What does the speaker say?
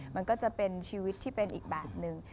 มันก็จะเป็นชีวิตที่เป็นอีกแบบนึง